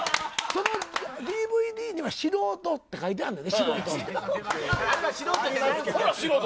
ＤＶＤには素人って書いてあるねん。